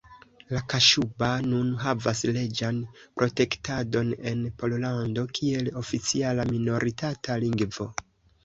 La kaŝuba nun havas leĝan protektadon en Pollando kiel oficiala minoritata lingvo.